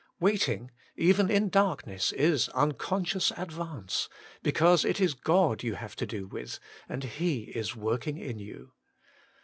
Waiting, even in darkness, is un conscious advance, because it is God you have to do with, and He is working in you.